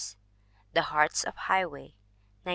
The Hearts of Highway, 1900.